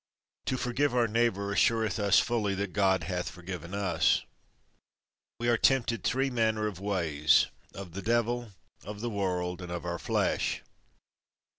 To forgive our neighbour, assureth us fully that God hath forgiven us. We are tempted three manner of ways—of the devil, of the world, and of our flesh.